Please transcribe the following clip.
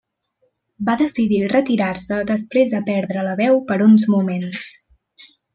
Va decidir retirar-se després de perdre la veu per uns moments.